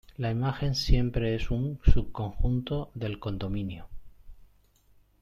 La imagen siempre es un subconjunto del codominio.